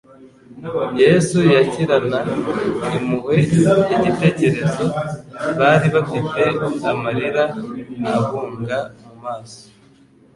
Yesu yakirana impuhwe igitekerezo bari bafite, amarira abunga mu maso.